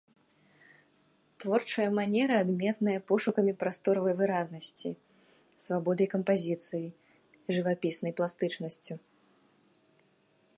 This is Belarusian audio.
Творчая манера адметная пошукамі прасторавай выразнасці, свабодай кампазіцый, жывапіснай пластычнасцю.